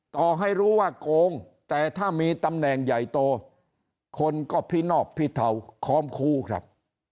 ต่อให้รู้ว่าโกงแต่ถ้ามีตำแหน่งใหญ่โตคนก็พินอบพิเทาค้อมคู้ครับ